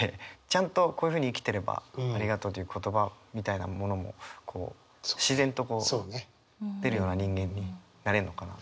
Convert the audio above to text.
ちゃんとこういうふうに生きてれば「ありがとう」という言葉みたいなものもこう自然と出るような人間になれるのかな。